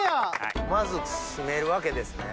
まず締めるわけですね。